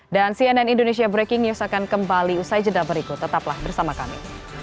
dan cnn indonesia breaking news akan kembali usai jeda berikut tetaplah bersama kami